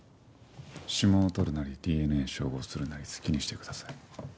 指紋を採るなりＤＮＡ照合するなり好きにしてください。